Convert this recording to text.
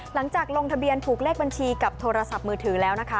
หลังจากลงทะเบียนถูกเลขบัญชีกับโทรศัพท์มือถือแล้วนะคะ